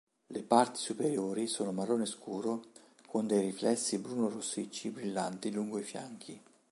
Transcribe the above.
Le parti superiori sono marrone scuro, con dei riflessi bruno-rossicci brillanti lungo i fianchi.